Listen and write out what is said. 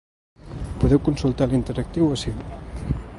Podeu consultar l’interactiu ací.